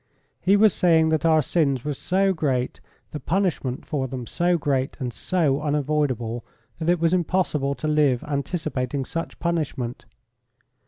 He was saying that our sins were so great, the punishment for them so great and so unavoidable, that it was impossible to live anticipating such punishment.